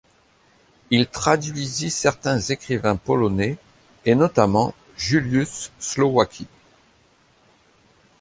Il traduisit certains écrivains polonais, et notamment Juliusz Słowacki.